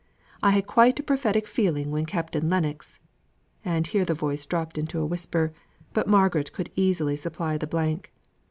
I had quite prophetic feeling when Captain Lennox" and here the voice dropped into a whisper, but Margaret could easily supply the blank.